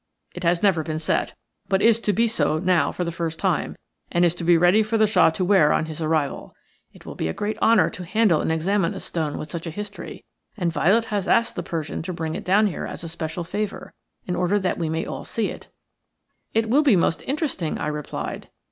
It has never been set, but is to be so now for the first time, and is to be ready for the Shah to wear on his arrival. It will be a great honour to handle and examine a stone with such a history, and Violet has asked the Persian to bring it down here as a special favour, in order that we may all see it." "'I DO NOT ENVY ALI KHAN HIS BILLET,' REMARKED SIR JOHN." "It will be most interesting," I replied.